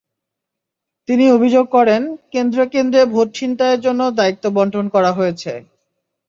তিনি অভিযোগ করেন, কেন্দ্রে কেন্দ্রে ভোট ছিনতাইয়ের জন্য দায়িত্ব বণ্টন করা হয়েছে।